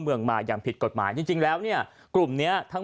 เมืองมาอย่างผิดกฎหมายจริงจริงแล้วเนี่ยกลุ่มเนี้ยทั้ง